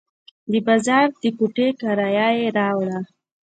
د بازار د کوټې کرایه یې راوړه.